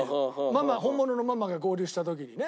ママ本物のママが合流した時にね。